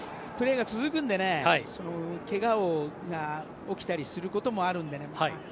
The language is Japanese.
プレーが続くのでけがが起きたりすることもあるのでね。